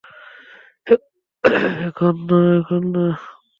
এখন না, এখন না।